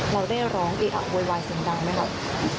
เราได้ร้องเออะโวยวายเสียงดังไหมครับ